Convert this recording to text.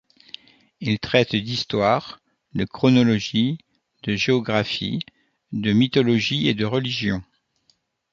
Ils traitent d’histoire, de chronologie, de géographie, de mythologie et de religion.